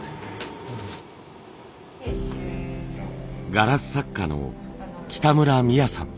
ガラス作家の北村三彩さん。